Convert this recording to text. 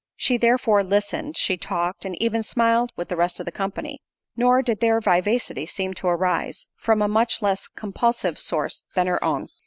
She therefore listened, she talked, and even smiled with the rest of the company, nor did their vivacity seem to arise, from a much less compulsive source than her own.